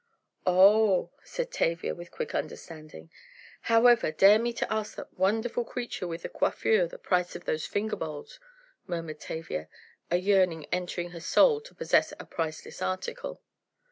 "Oh!" said Tavia, with quick understanding, "however, dare me to ask that wonderful creature with the coiffure, the price of those finger bowls," murmured Tavia, a yearning entering her soul to possess a priceless article.